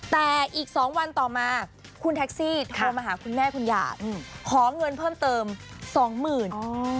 แต่อีก๒วันต่อมาคุณแท็กซี่โทรมาหาคุณแม่คุณหย่าขอเงินเพิ่มเติมสองหมื่น